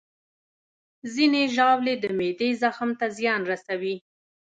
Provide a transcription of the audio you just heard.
ځینې ژاولې د معدې زخم ته زیان رسوي.